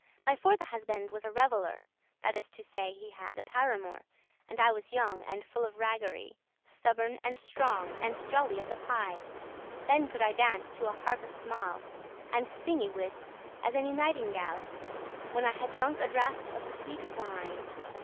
My fourthe husband was a revellour; This is to say, he had a paramour, And I was young and full of ragerie,* *wantonness Stubborn and strong, and jolly as a pie.* *magpie Then could I dance to a harpe smale, And sing, y wis,* as any nightingale, *certainly When I had drunk a draught of sweete wine.